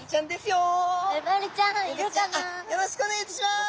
よろしくお願いします。